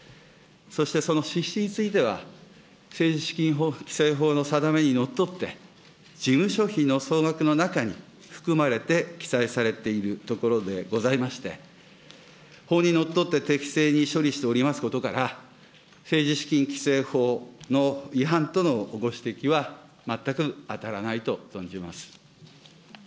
そしてその支出については、政治資金規正法の定めにのっとって、事務所費の総額の中に含まれて記載されているところでございまして、法にのっとって適正に処理しておりますことから、政治資金規正法の違反とのご指摘は全く当たらないと存じます。